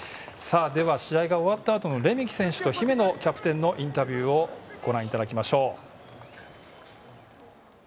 試合が終わったあとのレメキ選手と姫野選手のインタビューをご覧いただきましょう。